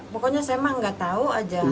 pokoknya saya mah nggak tahu aja